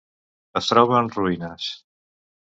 Es troba en ruïnes.